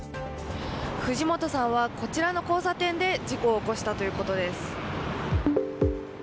藤本さんは、こちらの交差点で事故を起こしたということです。